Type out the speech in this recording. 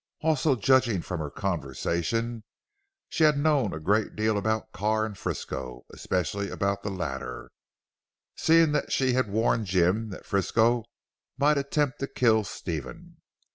Also judging from her conversation she had known a great deal about Carr and Frisco, especially about the latter, seeing that she had warned Jim that Frisco might attempt to kill Stephen.